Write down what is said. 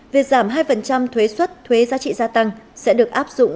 việc giảm hai thuế xuất thuế giá trị gia tăng sẽ được áp dụng